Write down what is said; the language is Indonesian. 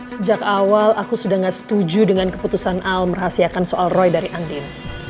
sejak awal aku sudah gak setuju dengan keputusan al merahsiakan soal roy dari andin